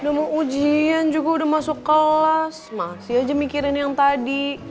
udah mau ujian juga udah masuk kelas masih aja mikirin yang tadi